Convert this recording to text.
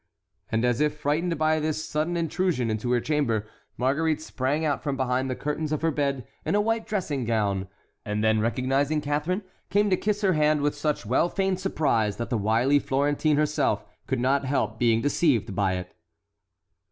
And, as if frightened by this sudden intrusion into her chamber, Marguerite sprang out from behind the curtains of her bed in a white dressing gown, and then recognizing Catharine, came to kiss her hand with such well feigned surprise that the wily Florentine herself could not help being deceived by it.